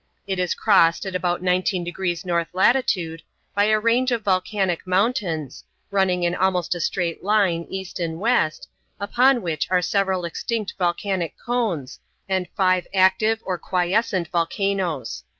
It is crossed at about 19 degrees north latitude by a range of volcanic mountains, running in almost a straight line east and west, upon which are several extinct volcanic cones, and five active or quiescent volcanoes.